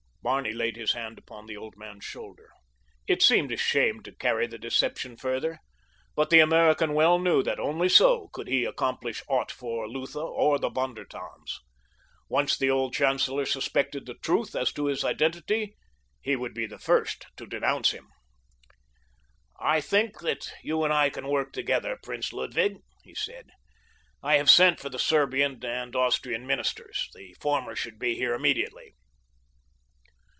Barney laid his hand upon the old man's shoulder. It seemed a shame to carry the deception further, but the American well knew that only so could he accomplish aught for Lutha or the Von der Tanns. Once the old chancellor suspected the truth as to his identity he would be the first to denounce him. "I think that you and I can work together, Prince Ludwig," he said. "I have sent for the Serbian and Austrian ministers. The former should be here immediately."